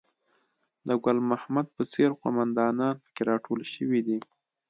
د ګل محمد په څېر قوماندانان په کې راټول شوي دي.